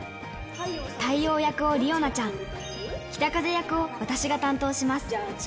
太陽役を理央奈ちゃん、北風役を私が担当します。